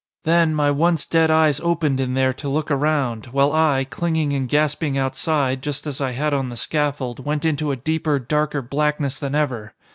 Then my once dead eyes opened in there to look around, while I, clinging and gasping outside, just as I had on the scaffold, went into a deeper, darker blackness than ever.